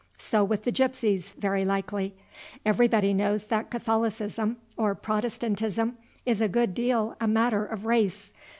So with the Gypsies, very likely. Everybody knows that Catholicism or Protestantism is a good deal a matter of race.